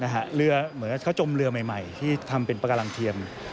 เหมือนกับเค้าจมเรือใหม่ที่ทำเป็นประการังเทียม